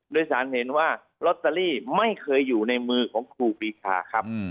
โดยสารเห็นว่าลอตเตอรี่ไม่เคยอยู่ในมือของครูปีชาครับ